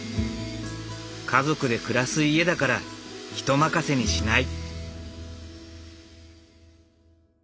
家族で暮らす家だから人任せにしない。